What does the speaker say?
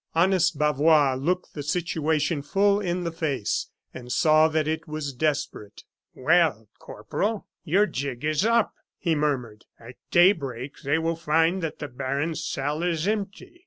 Honest Bavois looked the situation full in the face, and saw that it was desperate. "Well, Corporal, your jig is up!" he murmured, "At daybreak they will find that the baron's cell is empty.